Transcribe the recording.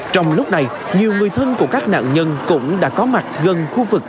trong lúc này nhiều người thân của các nạn nhân cũng đã có mặt gần khu vực